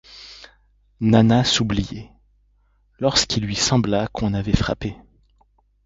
Nana s'oubliait, lorsqu'il lui sembla qu'on avait frappé.